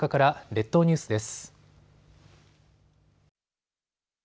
列島ニュースです。